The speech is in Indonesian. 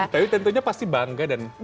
tapi tentunya pasti bangga dan ikut senang